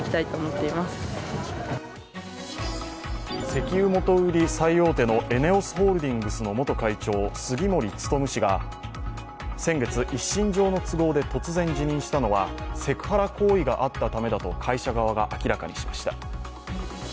石油元売り最大手のＥＮＥＯＳホールディングスの元会長、杉森務氏が先月、一身上の都合で突然辞任したのはセクハラ行為があったためだと会社側が明らかにしました。